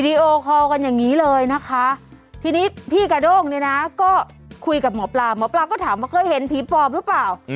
ทีนี้พี่กระโด้งเนี่ยนะก็คุยกับหมอปลาหมอปลาก็ถามว่าเคยเห็นผีปลอบรึเปล่า